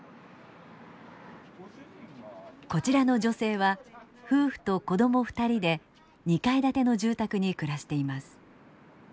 こちらの女性は夫婦と子供２人で２階建ての住宅に暮らしています。